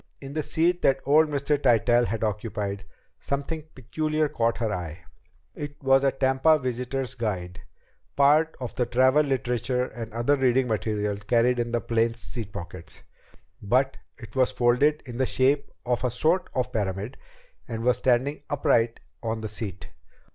In the seat that old Mr. Tytell had occupied something peculiar caught her eye. It was a Tampa visitor's guide, part of the travel literature and other reading matter carried in the plane's seat pockets. But it was folded in the shape of a sort of pyramid and was standing upright on the seat.